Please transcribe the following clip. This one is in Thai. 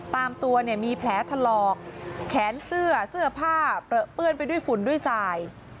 ตามตัวเนี่ยมีแผลถลอกแขนเสื้อเสื้อผ้าเปลือเปื้อนไปด้วยฝุ่นด้วยสาย